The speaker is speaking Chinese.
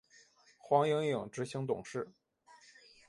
黄影影执行董事。